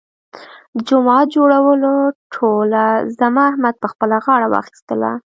د جومات جوړولو ټوله ذمه احمد په خپله غاړه واخیستله.